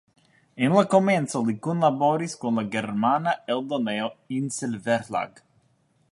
En la komenco li kunlaboris kun la germana eldonejo Insel-Verlag.